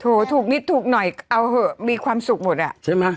ถูกนิดถูกหน่อยเอาเหอะมีความสุขหมดอ่ะใช่ไหม